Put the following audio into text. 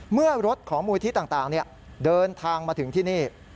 เมื่อรถของมูลที่ต่างเดินทางมาถึงที่นี่